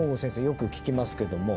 よく聞きますけども。